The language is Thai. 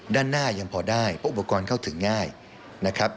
ด้านหน้ายังพอได้เพราะอุปกรณ์เข้าถึงง่ายนะครับ